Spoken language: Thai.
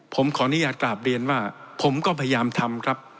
ผมขออนุญาตกราบเรียนว่าผมก็พยายามทำครับ